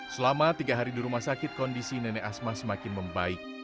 selama tiga hari di rumah sakit kondisi nenek asma semakin membaik